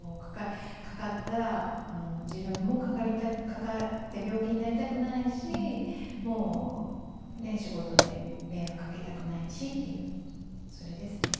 かかったら、自分もかかって病気になりたくないし、もう仕事で迷惑かけたくないしっていう、それですね。